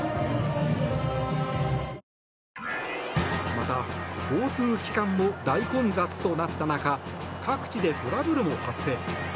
また、交通機関も大混雑となった中各地でトラブルも発生。